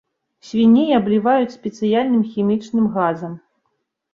Свіней абліваюць спецыяльным хімічным газам.